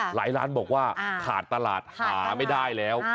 หลายร้านบอกว่าขาดตลาดหาไม่ได้แล้ว